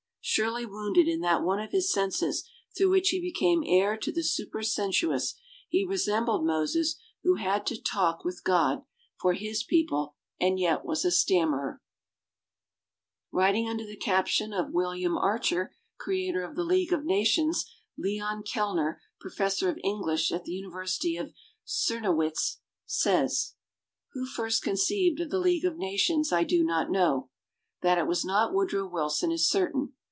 Sorely wounded in that one of his senses through which he became heir to the super sensuous, he resembled Moses who had to talk Writing under the caption of "Wil liam Archer, Creator of the League of Nations", Leon Kellner, professor of English at the University of Czemo witz, says: Who first conceived of the League of Nations I do not know. That it was not Woodrow Wil son is certain.